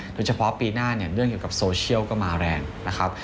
โดยเฉพาะปีหน้าเนี่ยเรื่องเกี่ยวกับโซเชียลก็มาแรงนะครับ